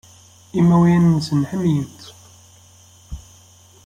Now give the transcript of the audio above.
Imawlan-nsen ḥemmlen-tt.